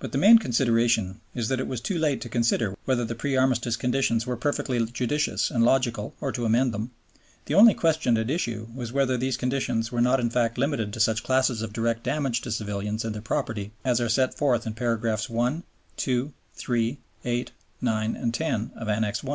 But the main consideration is that it was too late to consider whether the pre Armistice conditions were perfectly judicious and logical or to amend them; the only question at issue was whether these conditions were not in fact limited to such classes of direct damage to civilians and their property as are set forth in Paragraphs 1, 2, 3, 8, 9, and 10 of Annex I.